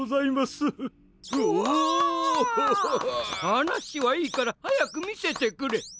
はなしはいいからはやくみせてくれ！